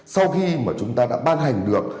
sau khi mà chúng ta đã ban hành được